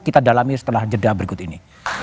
kita dalami setelah jeda berikut ini